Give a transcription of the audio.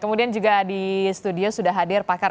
kemudian juga di studio sudah hadir pakar